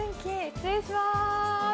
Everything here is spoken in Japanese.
失礼します。